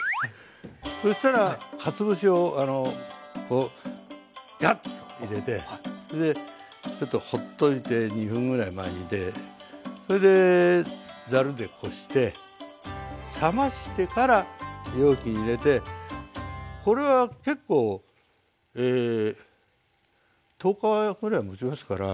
そしたらかつお節をこうヤッと入れてそれでちょっとほっといて２分ぐらいまあ煮てそれでざるでこして冷ましてから容器に入れてこれは結構え１０日ぐらいもちますから。